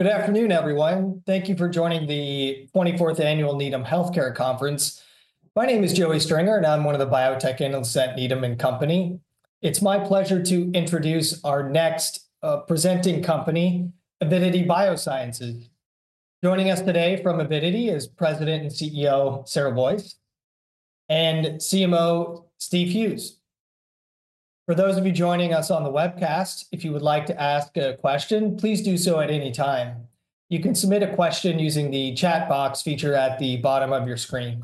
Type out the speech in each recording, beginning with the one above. Good afternoon, everyone. Thank you for joining the 24th Annual Needham Healthcare Conference. My name is Joey Stringer, and I'm one of the biotech analysts at Needham and Company. It's my pleasure to introduce our next presenting company, Avidity Biosciences. Joining us today from Avidity is President and CEO Sarah Boyce and CMO Steve Hughes. For those of you joining us on the webcast, if you would like to ask a question, please do so at any time. You can submit a question using the chat box feature at the bottom of your screen.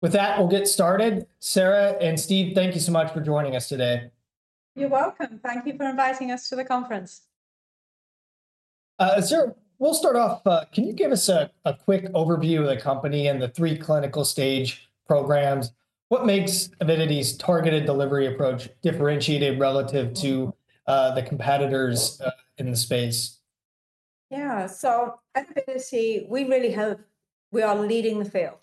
With that, we'll get started. Sarah and Steve, thank you so much for joining us today. You're welcome. Thank you for inviting us to the conference. Sarah, we'll start off. Can you give us a quick overview of the company and the three clinical stage programs? What makes Avidity's targeted delivery approach differentiated relative to the competitors in the space? Yeah, at Avidity, we really have—we are leading the field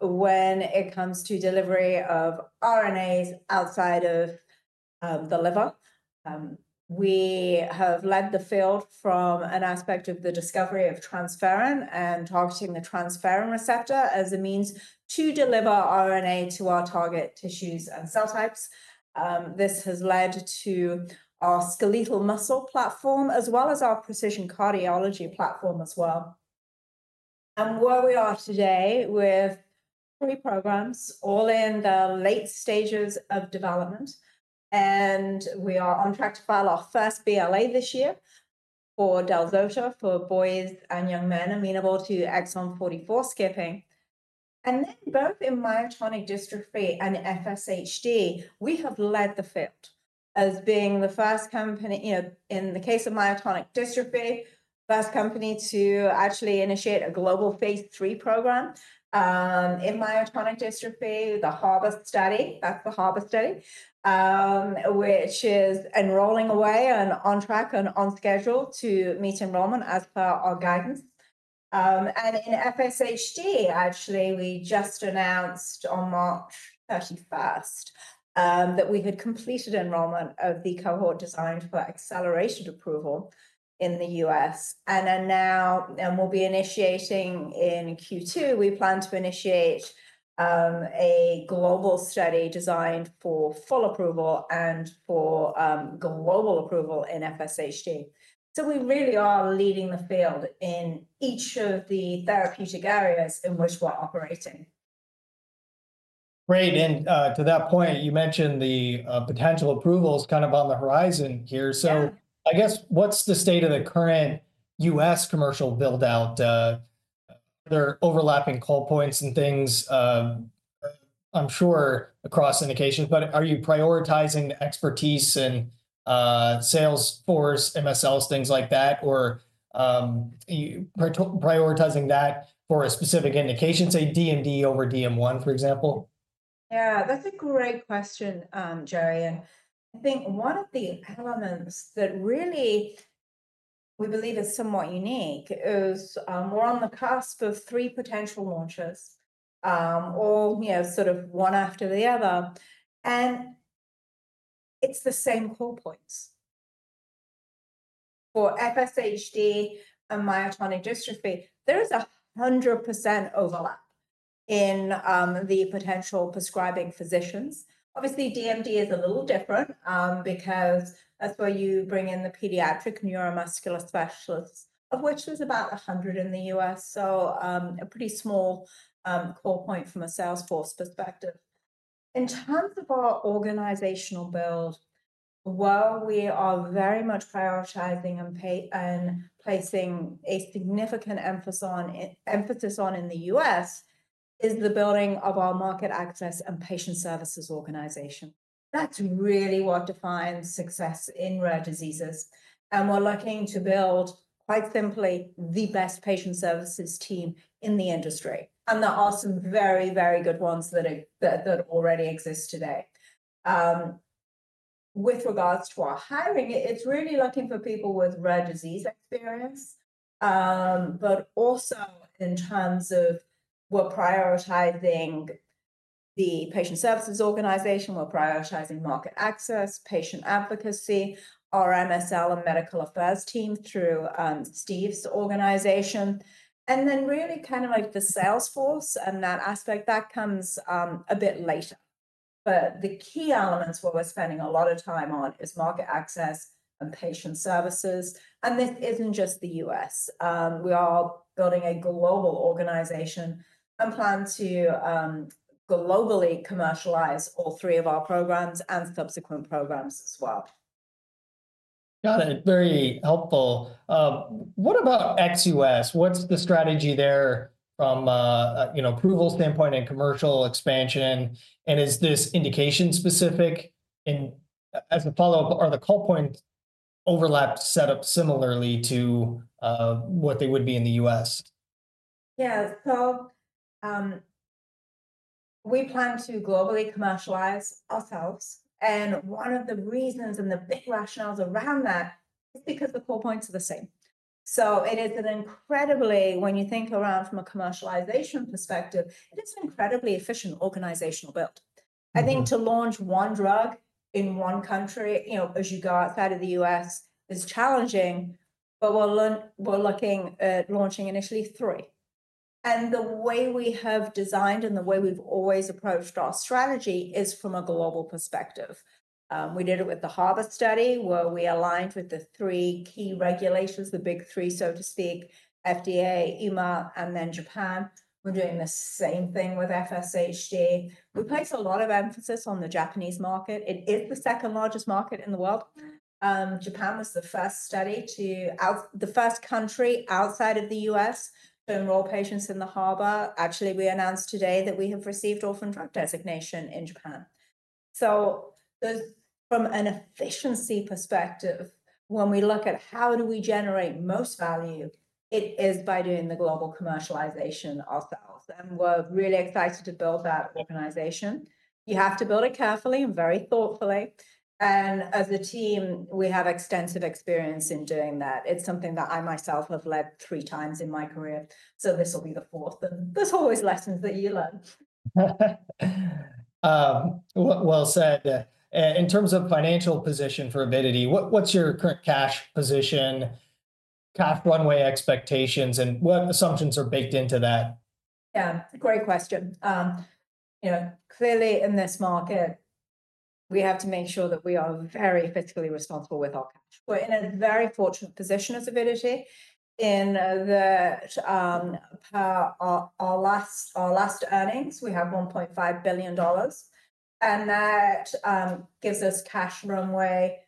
when it comes to delivery of RNAs outside of the liver. We have led the field from an aspect of the discovery of transferrin and targeting the transferrin receptor as a means to deliver RNA to our target tissues and cell types. This has led to our skeletal muscle platform, as well as our precision cardiology platform as well. Where we are today with three programs, all in the late stages of development, we are on track to file our first BLA this year for del-zota for boys and young men amenable to exon 44 skipping. Both in myotonic dystrophy and FSHD, we have led the field as being the first company—you know, in the case of myotonic dystrophy, the first company to actually initiate a global phase III program in myotonic dystrophy, the Harbor study—that's the Harbor study—which is enrolling away and on track and on schedule to meet enrollment as per our guidance. In FSHD, actually, we just announced on March 31 that we had completed enrollment of the cohort designed for accelerated approval in the U.S. Now, we will be initiating in Q2, we plan to initiate a global study designed for full approval and for global approval in FSHD. We really are leading the field in each of the therapeutic areas in which we're operating. Great. To that point, you mentioned the potential approvals kind of on the horizon here. I guess, what's the state of the current U.S. commercial buildout? Are there overlapping call points and things? I'm sure across indications, but are you prioritizing the expertise and sales force, MSLs, things like that, or prioritizing that for a specific indication, say DMD over DM1, for example? Yeah, that's a great question, Joey. I think one of the elements that really we believe is somewhat unique is we're on the cusp of three potential launches, all sort of one after the other. It's the same call points. For FSHD and myotonic dystrophy, there is a 100% overlap in the potential prescribing physicians. Obviously, DMD is a little different because that's where you bring in the pediatric neuromuscular specialists, of which there's about 100 in the U.S. So a pretty small call point from a sales force perspective. In terms of our organizational build, while we are very much prioritizing and placing a significant emphasis on in the U.S., is the building of our market access and patient services organization. That's really what defines success in rare diseases. We're looking to build, quite simply, the best patient services team in the industry. There are some very, very good ones that already exist today. With regards to our hiring, it's really looking for people with rare disease experience, but also in terms of we're prioritizing the patient services organization. We're prioritizing market access, patient advocacy, our MSL and medical affairs team through Steve's organization. Really kind of like the sales force and that aspect, that comes a bit later. The key elements where we're spending a lot of time on is market access and patient services. This isn't just the U.S. We are building a global organization and plan to globally commercialize all three of our programs and subsequent programs as well. Got it. Very helpful. What about ex-U.S.? What's the strategy there from an approval standpoint and commercial expansion? Is this indication specific? As a follow-up, are the call points overlapped set up similarly to what they would be in the U.S.? Yeah. We plan to globally commercialize ourselves. One of the reasons and the big rationales around that is because the call points are the same. It is an incredibly—when you think around from a commercialization perspective, it is an incredibly efficient organizational build. I think to launch one drug in one country, you know, as you go outside of the U.S., is challenging. We are looking at launching initially three. The way we have designed and the way we've always approached our strategy is from a global perspective. We did it with the Harbor study, where we aligned with the three key regulations, the big three, so to speak: FDA, EMA, and then Japan. We are doing the same thing with FSHD. We place a lot of emphasis on the Japanese market. It is the second largest market in the world. Japan was the first country outside of the U.S. to enroll patients in the Harbor. Actually, we announced today that we have received orphan drug designation in Japan. From an efficiency perspective, when we look at how do we generate most value, it is by doing the global commercialization ourselves. We are really excited to build that organization. You have to build it carefully and very thoughtfully. As a team, we have extensive experience in doing that. It is something that I myself have led three times in my career. This will be the fourth. There are always lessons that you learn. In terms of financial position for Avidity, what's your current cash position, cash runway expectations, and what assumptions are baked into that? Yeah, great question. You know, clearly in this market, we have to make sure that we are very fiscally responsible with our cash. We're in a very fortunate position as Avidity in that our last earnings, we have $1.5 billion. That gives us cash runway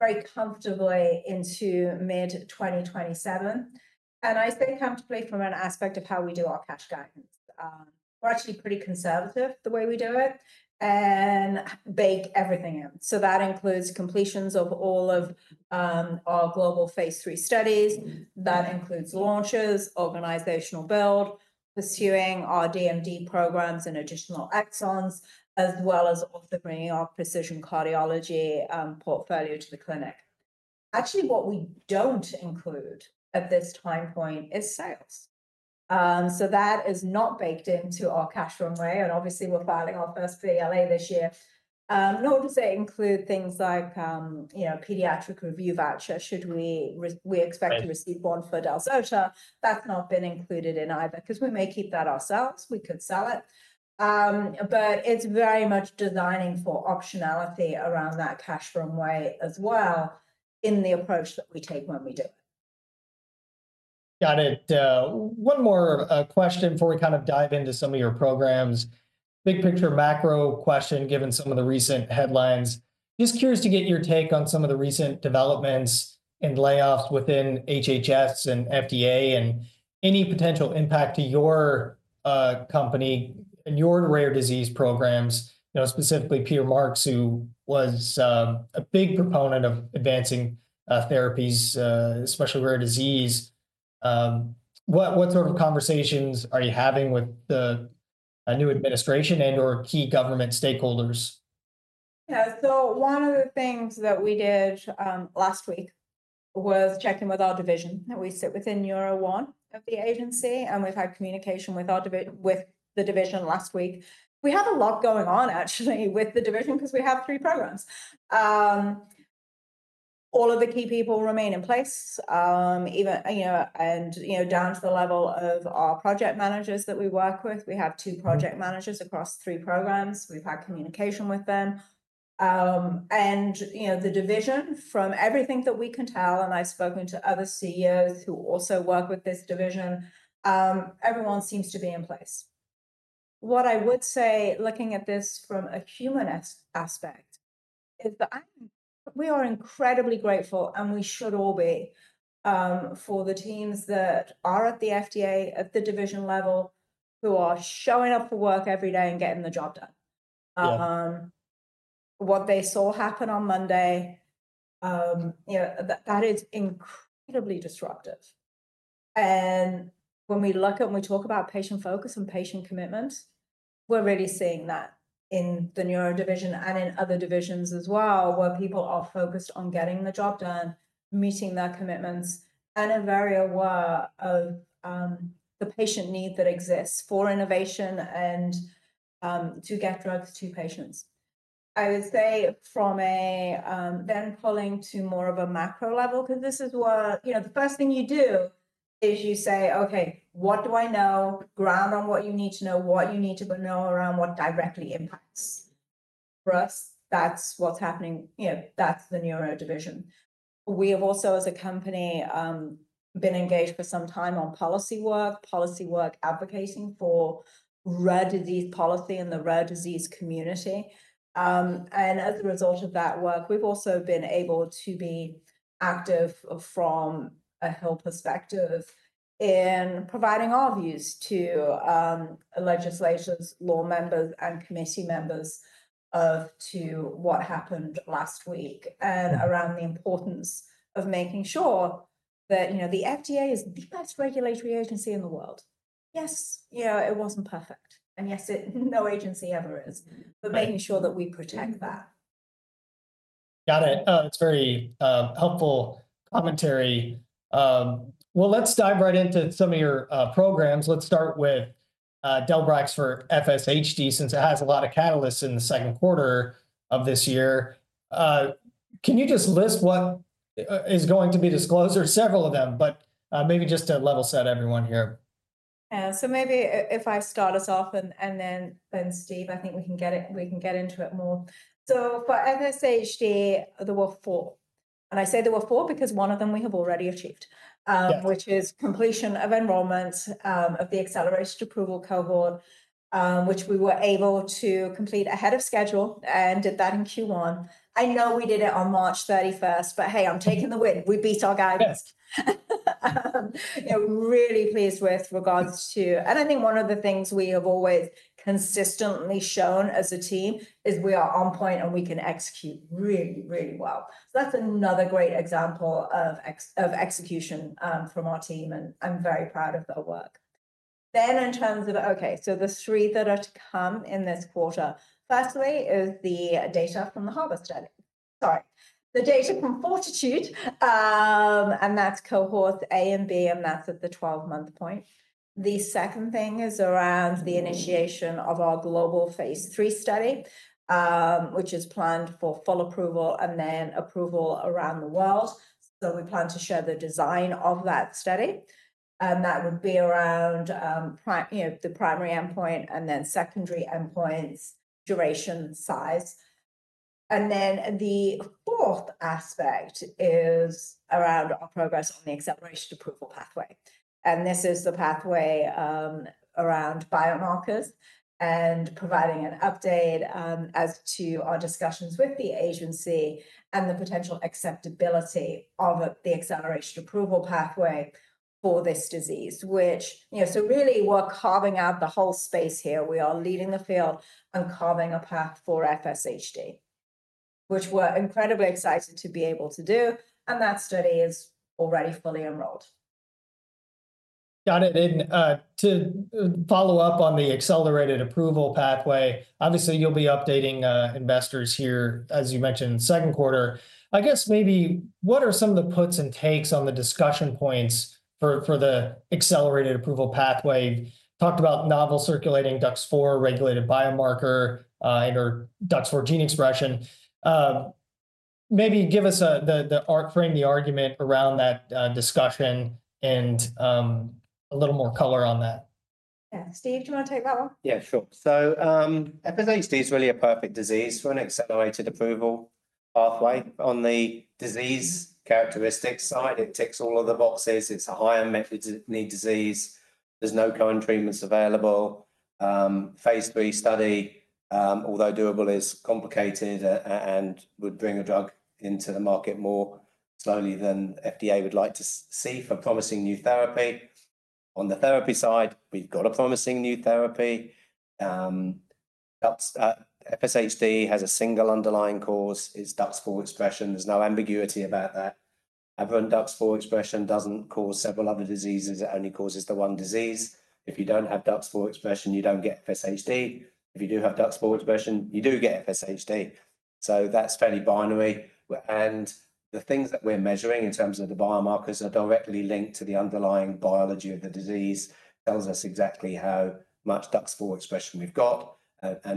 very comfortably into mid-2027. I say comfortably from an aspect of how we do our cash guidance. We're actually pretty conservative the way we do it and bake everything in. That includes completions of all of our global phase III studies. That includes launches, organizational build, pursuing our DMD programs and additional exons, as well as also bringing our precision cardiology portfolio to the clinic. Actually, what we don't include at this time point is sales. That is not baked into our cash runway. Obviously, we're filing our first BLA this year. Nor does it include things like pediatric review voucher. Should we expect to receive one for del-zota? That's not been included in either because we may keep that ourselves. We could sell it. It is very much designing for optionality around that cash runway as well in the approach that we take when we do it. Got it. One more question before we kind of dive into some of your programs. Big picture macro question, given some of the recent headlines. Just curious to get your take on some of the recent developments and layoffs within HHS and FDA and any potential impact to your company and your rare disease programs, specifically Peter Marks, who was a big proponent of advancing therapies, especially rare disease. What sort of conversations are you having with the new administration and/or key government stakeholders? Yeah. One of the things that we did last week was check in with our division. We sit within Neuro 1 of the agency, and we've had communication with the division last week. We have a lot going on, actually, with the division because we have three programs. All of the key people remain in place, even down to the level of our project managers that we work with. We have two project managers across three programs. We've had communication with them. The division, from everything that we can tell, and I've spoken to other CEOs who also work with this division, everyone seems to be in place. What I would say, looking at this from a humanist aspect, is that we are incredibly grateful, and we should all be, for the teams that are at the FDA, at the division level, who are showing up for work every day and getting the job done. What they saw happen on Monday, that is incredibly disruptive. When we look at and we talk about patient focus and patient commitment, we're really seeing that in the neuro division and in other divisions as well, where people are focused on getting the job done, meeting their commitments, and are very aware of the patient need that exists for innovation and to get drugs to patients. I would say from a then pulling to more of a macro level, because this is where the first thing you do is you say, "Okay, what do I know? Ground on what you need to know, what you need to know around what directly impacts. For us, that's what's happening. That's the neuro division. We have also, as a company, been engaged for some time on policy work, policy work advocating for rare disease policy and the rare disease community. As a result of that work, we've also been able to be active from a health perspective in providing our views to legislators, law members, and committee members as to what happened last week and around the importance of making sure that the FDA is the best regulatory agency in the world. Yes, it wasn't perfect. Yes, no agency ever is, but making sure that we protect that. Got it. Oh, it's very helpful commentary. Let's dive right into some of your programs. Let's start with del-brax for FSHD, since it has a lot of catalysts in the second quarter of this year. Can you just list what is going to be disclosed or several of them, but maybe just to level set everyone here? Yeah. Maybe if I start us off and then Steve, I think we can get into it more. For FSHD, there were four. I say there were four because one of them we have already achieved, which is completion of enrollment of the accelerated approval cohort, which we were able to complete ahead of schedule and did that in Q1. I know we did it on March 31st, but hey, I'm taking the win. We beat our guidance. We're really pleased with regards to, and I think one of the things we have always consistently shown as a team is we are on point and we can execute really, really well. That's another great example of execution from our team. I'm very proud of that work. In terms of the three that are to come in this quarter, firstly is the data from the Harbor study. Sorry. The data from Fortitude, and that's Cohorts A and B, and that's at the 12-month point. The second thing is around the initiation of our global phase III study, which is planned for full approval and then approval around the world. We plan to share the design of that study. That would be around the primary endpoint and then secondary endpoints, duration, size. The fourth aspect is around our progress on the accelerated approval pathway. This is the pathway around biomarkers and providing an update as to our discussions with the agency and the potential acceptability of the accelerated approval pathway for this disease, which really we're carving out the whole space here. We are leading the field and carving a path for FSHD, which we're incredibly excited to be able to do. That study is already fully enrolled. Got it. To follow up on the accelerated approval pathway, obviously, you'll be updating investors here, as you mentioned, second quarter. I guess maybe what are some of the puts and takes on the discussion points for the accelerated approval pathway? Talked about novel circulating DUX4 regulated biomarker and/or DUX4 gene expression. Maybe give us the arc frame, the argument around that discussion and a little more color on that. Yeah. Steve, do you want to take that one? Yeah, sure. FSHD is really a perfect disease for an accelerated approval pathway. On the disease characteristics side, it ticks all of the boxes. It's a higher unmet need disease. There's no current treatments available. phase III study, although doable, is complicated and would bring a drug into the market more slowly than FDA would like to see for promising new therapy. On the therapy side, we've got a promising new therapy. FSHD has a single underlying cause, is DUX4 expression. There's no ambiguity about that. Having DUX4 expression doesn't cause several other diseases. It only causes the one disease. If you don't have DUX4 expression, you don't get FSHD. If you do have DUX4 expression, you do get FSHD. That's fairly binary. The things that we're measuring in terms of the biomarkers are directly linked to the underlying biology of the disease, tells us exactly how much DUX4 expression we've got.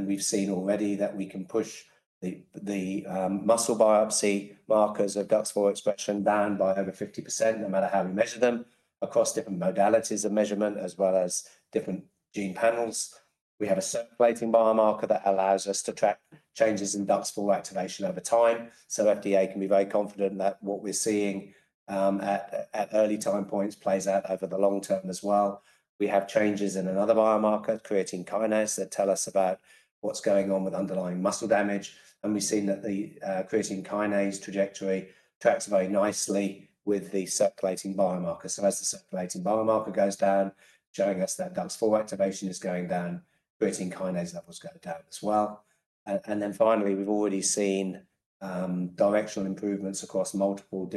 We've seen already that we can push the muscle biopsy markers of DUX4 expression down by over 50%, no matter how we measure them, across different modalities of measurement, as well as different gene panels. We have a circulating biomarker that allows us to track changes in DUX4 activation over time. FDA can be very confident that what we're seeing at early time points plays out over the long term as well. We have changes in another biomarker, creatine kinase, that tell us about what's going on with underlying muscle damage. We've seen that the creatine kinase trajectory tracks very nicely with the circulating biomarker. As the circulating biomarker goes down, showing us that DUX4 activation is going down, creatine kinase levels go down as well. Finally, we've already seen directional improvements across multiple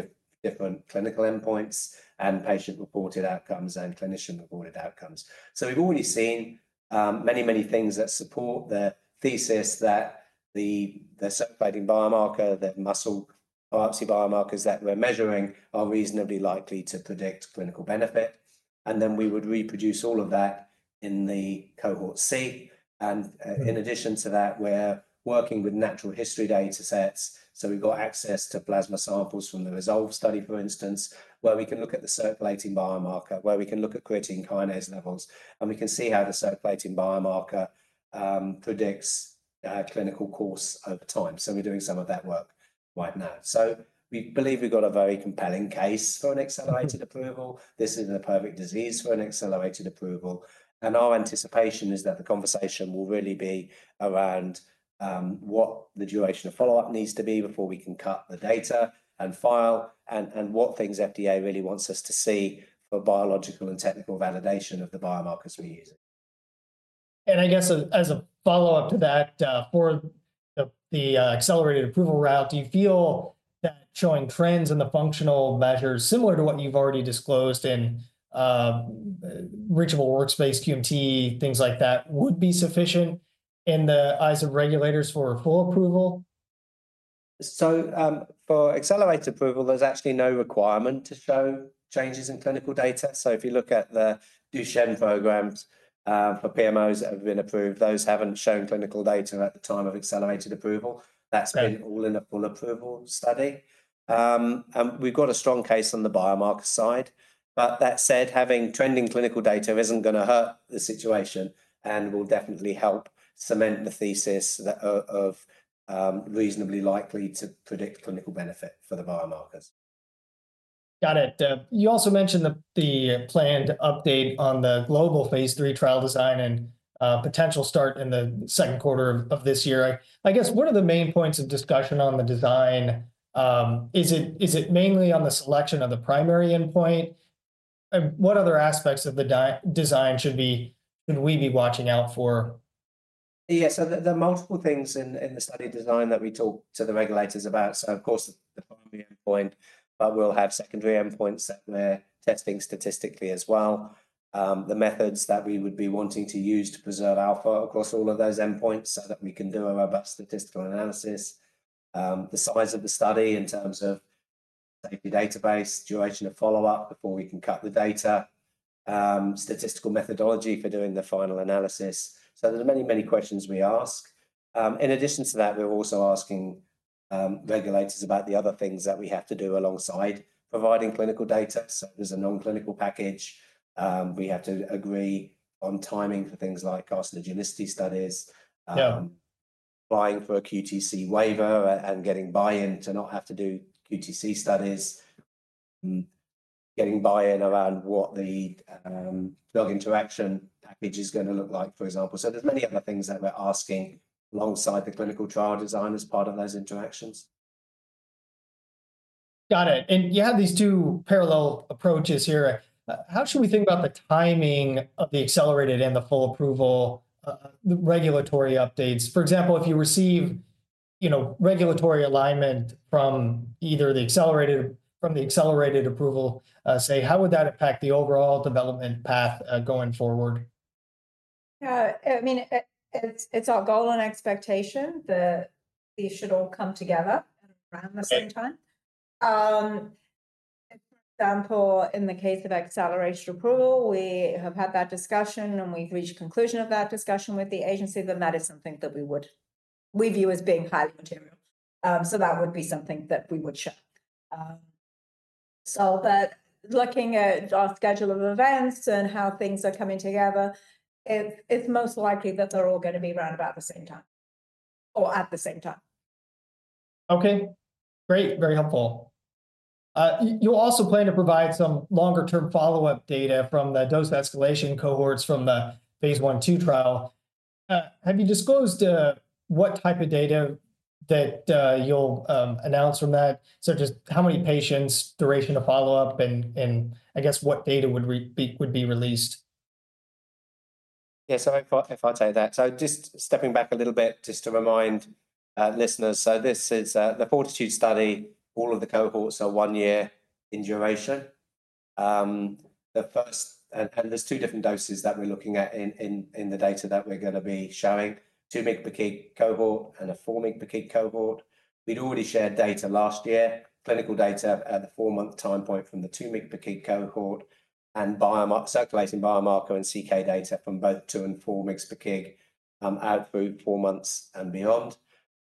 different clinical endpoints and patient-reported outcomes and clinician-reported outcomes. We've already seen many, many things that support the thesis that the circulating biomarker, the muscle biopsy biomarkers that we're measuring, are reasonably likely to predict clinical benefit. We would reproduce all of that in the Cohort C. In addition to that, we're working with natural history data sets. We've got access to plasma samples from the ReSolve study, for instance, where we can look at the circulating biomarker, where we can look at creatine kinase levels. We can see how the circulating biomarker predicts clinical course over time. We're doing some of that work right now. We believe we've got a very compelling case for an accelerated approval. This is the perfect disease for an accelerated approval. Our anticipation is that the conversation will really be around what the duration of follow-up needs to be before we can cut the data and file and what things FDA really wants us to see for biological and technical validation of the biomarkers we're using. I guess as a follow-up to that, for the accelerated approval route, do you feel that showing trends in the functional measures similar to what you've already disclosed in Reachable Workspace, QMT, things like that, would be sufficient in the eyes of regulators for full approval? For accelerated approval, there's actually no requirement to show changes in clinical data. If you look at the Duchenne programs for PMOs that have been approved, those haven't shown clinical data at the time of accelerated approval. That's been all in a full approval study. We've got a strong case on the biomarker side. That said, having trending clinical data isn't going to hurt the situation and will definitely help cement the thesis of reasonably likely to predict clinical benefit for the biomarkers. Got it. You also mentioned the planned update on the global phase III trial design and potential start in the second quarter of this year. I guess one of the main points of discussion on the design, is it mainly on the selection of the primary endpoint? What other aspects of the design should we be watching out for? Yeah. There are multiple things in the study design that we talk to the regulators about. Of course, the primary endpoint, but we'll have secondary endpoints that we're testing statistically as well. The methods that we would be wanting to use to preserve alpha across all of those endpoints so that we can do a robust statistical analysis. The size of the study in terms of the database, duration of follow-up before we can cut the data, statistical methodology for doing the final analysis. There are many, many questions we ask. In addition to that, we're also asking regulators about the other things that we have to do alongside providing clinical data, such as a non-clinical package. We have to agree on timing for things like carcinogenicity studies, applying for a QTc waiver, and getting buy-in to not have to do QTc studies, getting buy-in around what the drug interaction package is going to look like, for example. There are many other things that we're asking alongside the clinical trial design as part of those interactions. Got it. You have these two parallel approaches here. How should we think about the timing of the accelerated and the full approval, the regulatory updates? For example, if you receive regulatory alignment from either the accelerated approval, say, how would that impact the overall development path going forward? Yeah. I mean, it's our goal and expectation that these should all come together around the same time. For example, in the case of accelerated approval, we have had that discussion, and we've reached conclusion of that discussion with the agency, that is something that we view as being highly material. That would be something that we would show. Looking at our schedule of events and how things are coming together, it's most likely that they're all going to be around about the same time or at the same time. Okay. Great. Very helpful. You also plan to provide some longer-term follow-up data from the dose escalation cohorts from the phase I/II trial. Have you disclosed what type of data that you'll announce from that, such as how many patients, duration of follow-up, and I guess what data would be released? Yeah. If I take that, just stepping back a little bit just to remind listeners, this is the Fortitude study. All of the cohorts are one year in duration. There are two different doses that we're looking at in the data that we're going to be showing, 2 mg/kg cohort and a 4 mg/kg cohort. We'd already shared data last year, clinical data at the four-month time point from the 2 mg/kg cohort and circulating biomarker and CK data from both 2 mg/kg and 4 mg/kg out through four months and beyond.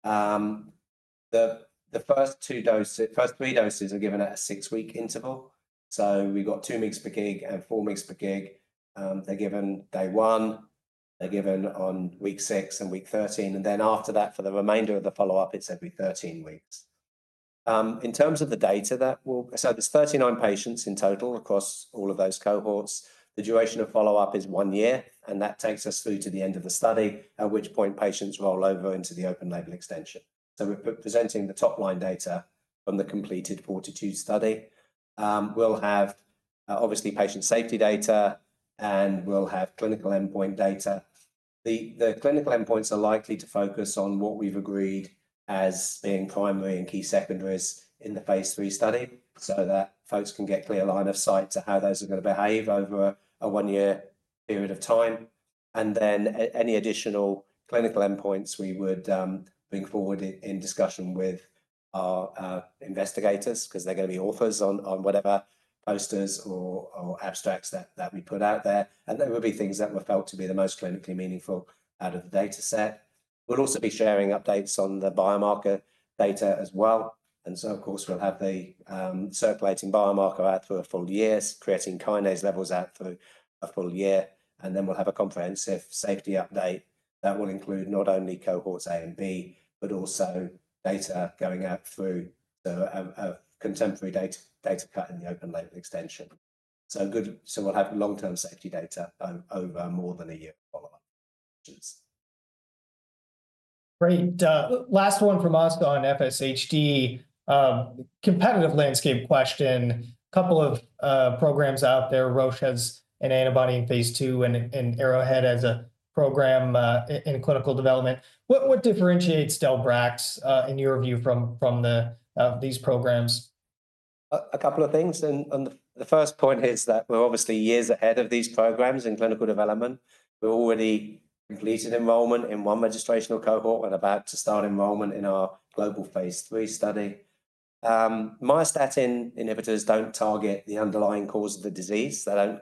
The first three doses are given at a six-week interval. We've got 2 mg/kg and 4 mg/kg. They're given day one, they're given on week six and week 13. After that, for the remainder of the follow-up, it's every 13 weeks. In terms of the data that we'll, so there's 39 patients in total across all of those cohorts. The duration of follow-up is one year. That takes us through to the end of the study, at which point patients roll over into the open label extension. We're presenting the top-line data from the completed Fortitude study. We'll have obviously patient safety data, and we'll have clinical endpoint data. The clinical endpoints are likely to focus on what we've agreed as being primary and key secondaries in the phase III study so that folks can get a clear line of sight to how those are going to behave over a one-year period of time. Any additional clinical endpoints we would bring forward in discussion with our investigators because they're going to be authors on whatever posters or abstracts that we put out there. There will be things that were felt to be the most clinically meaningful out of the data set. We will also be sharing updates on the biomarker data as well. Of course, we will have the circulating biomarker out through a full year, creatine kinase levels out through a full year. We will have a comprehensive safety update that will include not only Cohorts A and B, but also data going out through a contemporary data cut in the open label extension. We will have long-term safety data over more than a year of follow-up. Great. Last one from Moscow on FSHD. Competitive landscape question. A couple of programs out there. Roche has an antibody in phase II and Arrowhead has a program in clinical development. What differentiates del-brax in your view from these programs? A couple of things. The first point is that we're obviously years ahead of these programs in clinical development. We've already completed enrollment in one registrational cohort and are about to start enrollment in our global phase III study. Myostatin inhibitors do not target the underlying cause of the disease. They are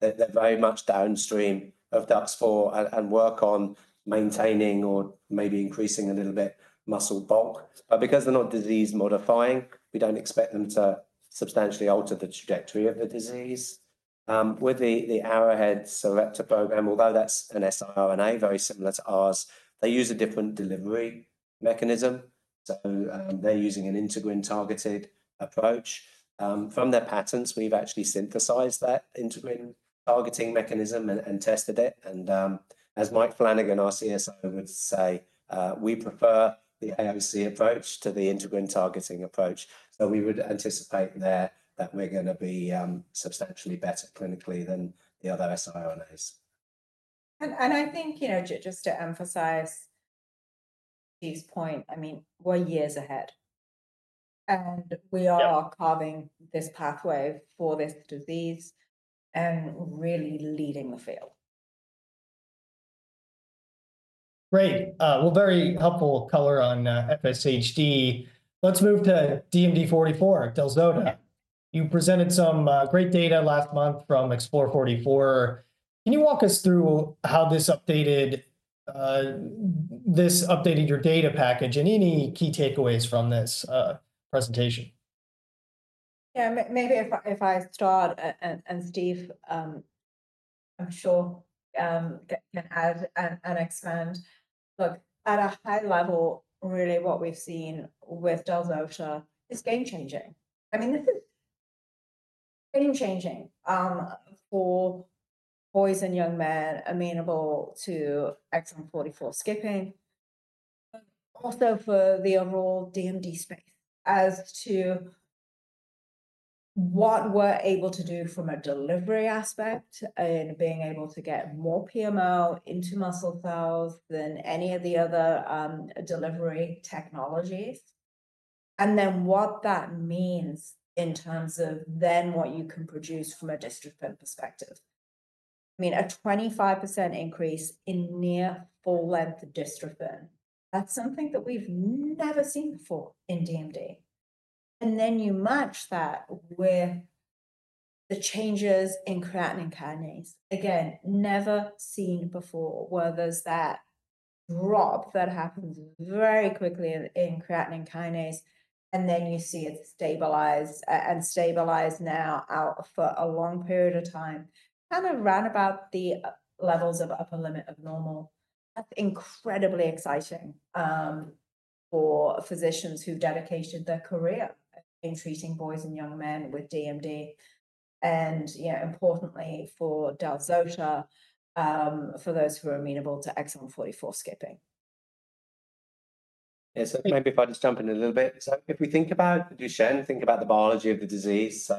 very much downstream of DUX4 and work on maintaining or maybe increasing a little bit of muscle bulk. Because they are not disease-modifying, we do not expect them to substantially alter the trajectory of the disease. With the Arrowhead Sarepta program, although that is an siRNA very similar to ours, they use a different delivery mechanism. They are using an integrin-targeted approach. From their patents, we have actually synthesized that integrin-targeting mechanism and tested it. As Mike Flanagan, our CSO, would say, we prefer the AOC approach to the integrin-targeting approach. We would anticipate there that we're going to be substantially better clinically than the other siRNAs. I think, just to emphasize Steve's point, I mean, we're years ahead. We are carving this pathway for this disease and really leading the field. Great. Very helpful color on FSHD. Let's move to DMD44, del-zota. You presented some great data last month from EXPLORE44. Can you walk us through how this updated your data package and any key takeaways from this presentation? Yeah. Maybe if I start, and Steve, I'm sure, can add and expand. Look, at a high level, really what we've seen with del-zota is game-changing. I mean, this is game-changing for boys and young men amenable to exon 44 skipping, also for the overall DMD space as to what we're able to do from a delivery aspect in being able to get more PMO into muscle cells than any of the other delivery technologies. I mean, what that means in terms of then what you can produce from a dystrophin perspective. I mean, a 25% increase in near full-length dystrophin. That's something that we've never seen before in DMD. You match that with the changes in creatine kinase. Again, never seen before, where there's that drop that happens very quickly in creatine kinase, and then you see it stabilize and stabilize now out for a long period of time, kind of round about the levels of upper limit of normal. That's incredibly exciting for physicians who've dedicated their career in treating boys and young men with DMD. Importantly, for del-zota, for those who are amenable to exon 44 skipping. Yeah. Maybe if I just jump in a little bit. If we think about Duchenne, think about the biology of the disease.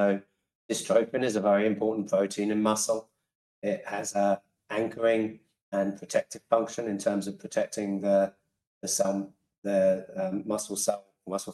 Dystrophin is a very important protein in muscle. It has an anchoring and protective function in terms of protecting the muscle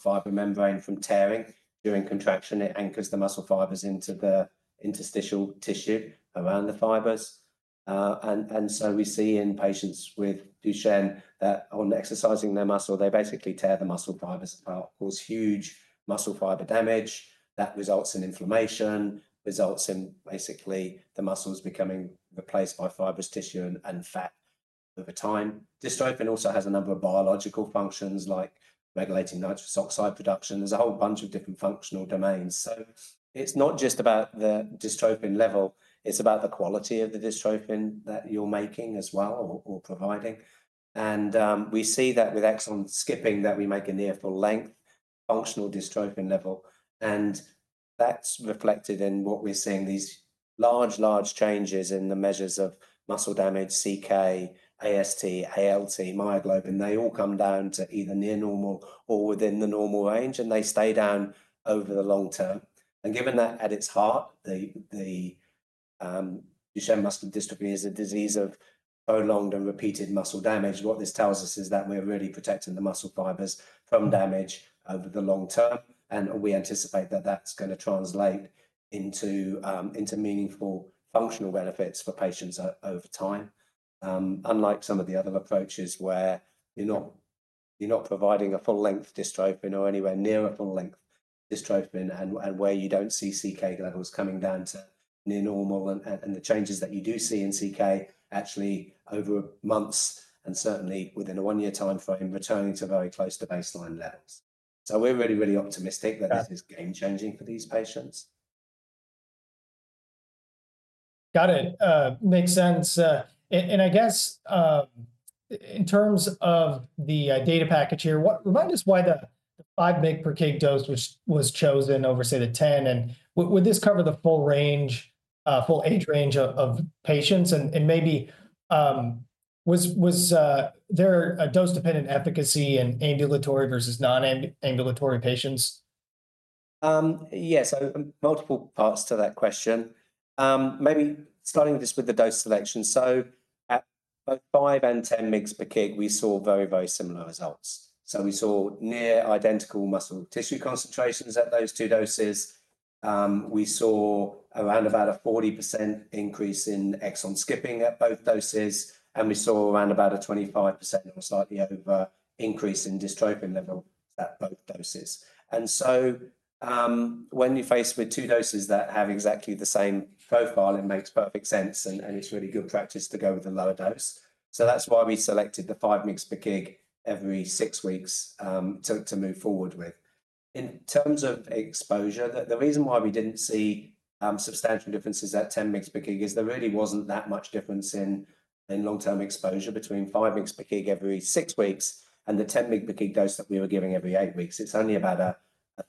fiber membrane from tearing during contraction. It anchors the muscle fibers into the interstitial tissue around the fibers. We see in patients with Duchenne that on exercising their muscle, they basically tear the muscle fibers apart, cause huge muscle fiber damage that results in inflammation, results in basically the muscles becoming replaced by fibrous tissue and fat over time. Dystrophin also has a number of biological functions like regulating nitric oxide production. There is a whole bunch of different functional domains. It is not just about the dystrophin level. It is about the quality of the dystrophin that you are making as well or providing. We see that with exon skipping that we make a near full-length functional dystrophin level. That is reflected in what we are seeing, these large, large changes in the measures of muscle damage, CK, AST, ALT, myoglobin. They all come down to either near normal or within the normal range, and they stay down over the long term. Given that at its heart, Duchenne muscular dystrophy is a disease of prolonged and repeated muscle damage. What this tells us is that we are really protecting the muscle fibers from damage over the long term. We anticipate that is going to translate into meaningful functional benefits for patients over time, unlike some of the other approaches where you are not providing a full-length dystrophin or anywhere near a full-length dystrophin and where you do not see CK levels coming down to near normal. The changes that you do see in CK actually occur over months and certainly within a one-year timeframe, returning to very close to baseline levels. We are really, really optimistic that this is game-changing for these patients. Got it. Makes sense. I guess in terms of the data package here, remind us why the 5 mg per kg dose was chosen over, say, the 10. Would this cover the full age range of patients? Maybe was there a dose-dependent efficacy in ambulatory versus non-ambulatory patients? Yes. Multiple parts to that question. Maybe starting with the dose selection. At both 5 mg per kg and 10 mg per kg, we saw very, very similar results. We saw near identical muscle tissue concentrations at those two doses. We saw around about a 40% increase in exon skipping at both doses. We saw around about a 25% or slightly over increase in dystrophin level at both doses. When you're faced with two doses that have exactly the same profile, it makes perfect sense. It is really good practice to go with a lower dose. That is why we selected the 5 mg per kg every six weeks to move forward with. In terms of exposure, the reason why we didn't see substantial differences at 10 mg per kg is there really wasn't that much difference in long-term exposure between 5 mg per kg every six weeks and the 10 mg per kg dose that we were giving every eight weeks. It's only about a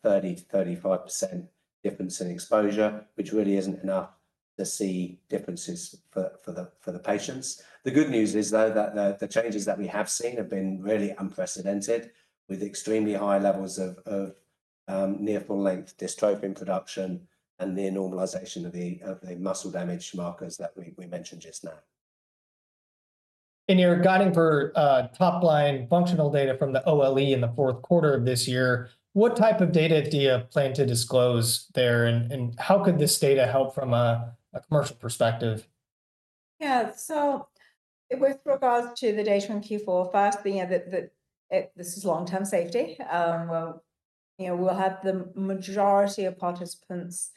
30%-35% difference in exposure, which really isn't enough to see differences for the patients. The good news is, though, that the changes that we have seen have been really unprecedented with extremely high levels of near full-length dystrophin production and the normalization of the muscle damage markers that we mentioned just now. In your guiding for top-line functional data from the OLE in the fourth quarter of this year, what type of data do you plan to disclose there? What type of data do you plan to disclose there? How could this data help from a commercial perspective? Yeah. So with regards to the data from Q4, first, this is long-term safety. We'll have the majority of participants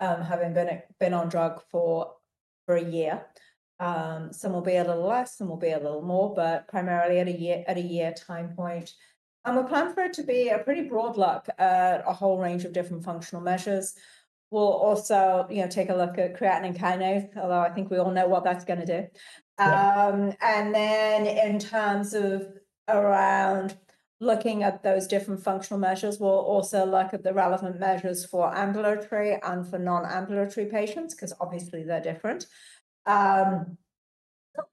having been on drug for a year. Some will be a little less. Some will be a little more, but primarily at a year time point. We plan for it to be a pretty broad look at a whole range of different functional measures. We'll also take a look at creatine kinase, although I think we all know what that's going to do. In terms of around looking at those different functional measures, we'll also look at the relevant measures for ambulatory and for non-ambulatory patients because obviously they're different. We'll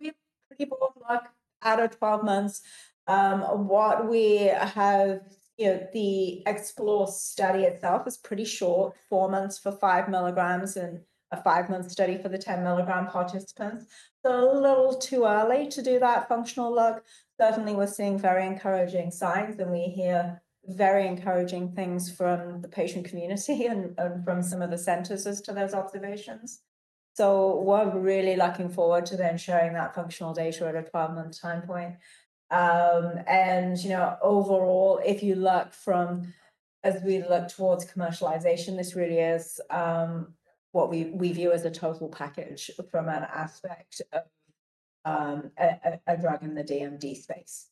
look at a 12-month. What we have, the Explore study itself is pretty short, four months for 5 mg and a five-month study for the 10 mg participants. is a little too early to do that functional look. Certainly, we are seeing very encouraging signs. We hear very encouraging things from the patient community and from some of the centers as to those observations. We are really looking forward to sharing that functional data at a 12-month time point. Overall, if you look from as we look towards commercialization, this really is what we view as a total package from an aspect of a drug in the DMD space.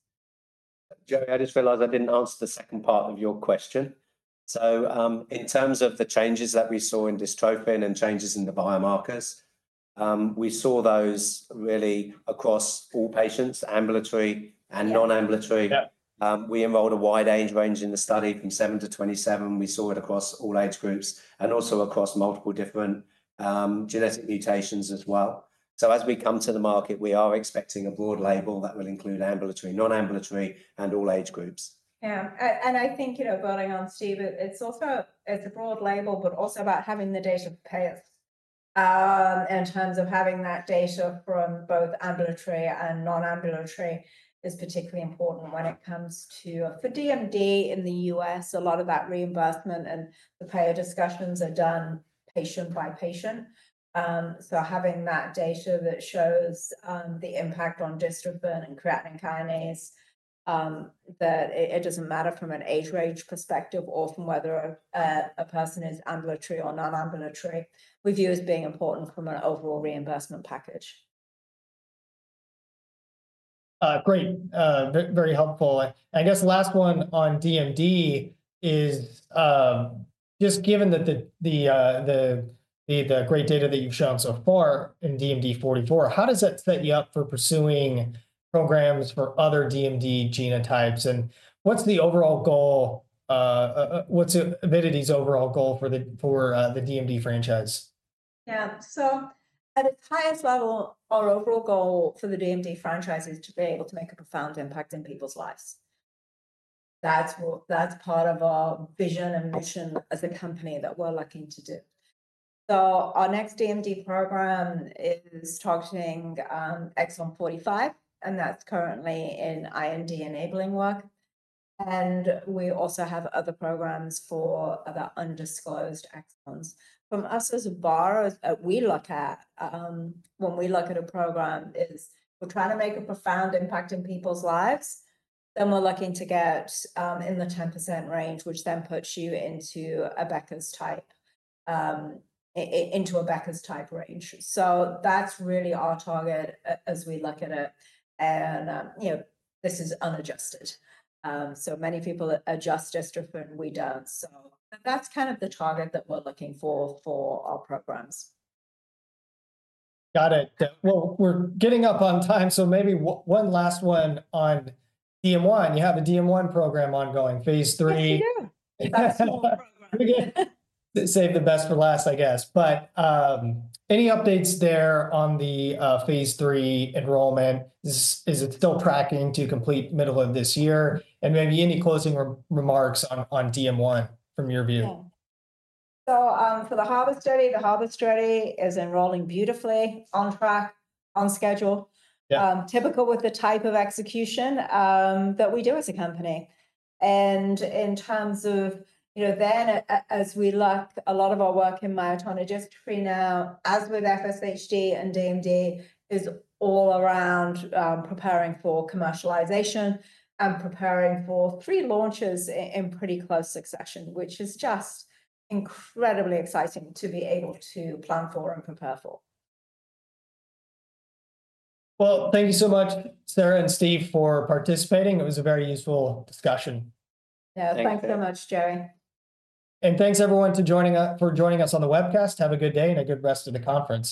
Joe, I just realized I didn't answer the second part of your question. In terms of the changes that we saw in dystrophin and changes in the biomarkers, we saw those really across all patients, ambulatory and non-ambulatory. We involved a wide age range in the study from seven to 27. We saw it across all age groups and also across multiple different genetic mutations as well. As we come to the market, we are expecting a broad label that will include ambulatory, non-ambulatory, and all age groups. Yeah. I think building on Steve, it's also a broad label, but also about having the data for payers. In terms of having that data from both ambulatory and non-ambulatory is particularly important when it comes to for DMD in the U.S., a lot of that reimbursement and the payer discussions are done patient by patient. Having that data that shows the impact on dystrophin and creatine kinase, that it doesn't matter from an age range perspective or from whether a person is ambulatory or non-ambulatory, we view as being important from an overall reimbursement package. Great. Very helpful. I guess last one on DMD is just given the great data that you've shown so far in DMD44, how does that set you up for pursuing programs for other DMD genotypes? What's the overall goal? What's Avidity's overall goal for the DMD franchise? Yeah. At its highest level, our overall goal for the DMD franchise is to be able to make a profound impact in people's lives. That's part of our vision and mission as a company that we're looking to do. Our next DMD program is targeting exon 45, and that's currently in IND-enabling work. We also have other programs for other undisclosed exons. From us as a bar, we look at when we look at a program is we're trying to make a profound impact in people's lives. We're looking to get in the 10% range, which then puts you into a Becker's type range. That's really our target as we look at it. This is unadjusted. Many people adjust dystrophin. We don't. That's kind of the target that we're looking for for our programs. Got it. We're getting up on time. Maybe one last one on DM1. You have a DM1 program ongoing, phase III. Yes, we do. Save the best for last, I guess. Any updates there on the phase III enrollment? Is it still tracking to complete middle of this year? Maybe any closing remarks on DM1 from your view? Yeah. For the Harbor study, the Harbor study is enrolling beautifully on track, on schedule, typical with the type of execution that we do as a company. In terms of then as we look, a lot of our work in myotonic dystrophy now, as with FSHD and DMD, is all around preparing for commercialization and preparing for three launches in pretty close succession, which is just incredibly exciting to be able to plan for and prepare for. Thank you so much, Sarah and Steve, for participating. It was a very useful discussion. Yeah. Thanks so much, Joey. Thank you, everyone, for joining us on the webcast. Have a good day and a good rest of the conference.